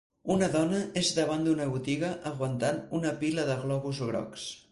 Una dona és davant d'una botiga aguantant una pila de globus grocs.